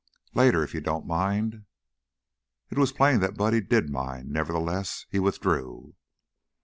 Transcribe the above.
"Later, if you don't mind." It was plain that Buddy did mind; nevertheless, he withdrew.